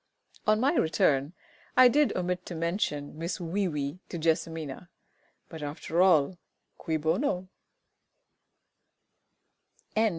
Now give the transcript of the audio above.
On my return I did omit to mention Miss WEE WEE to JESSIMINA; but, after all, cui bono?